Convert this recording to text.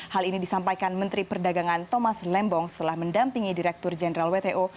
hal ini disampaikan menteri perdagangan thomas lembong setelah mendampingi direktur jenderal wto